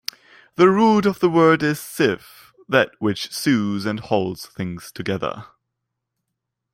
The root of the word is "siv", that which sews and holds things together.